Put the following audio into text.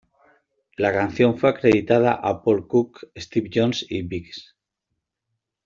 La canción fue acreditado a Paul Cook, Steve Jones, y Biggs.